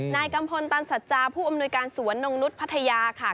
กัมพลตันสัจจาผู้อำนวยการสวนนงนุษย์พัทยาค่ะ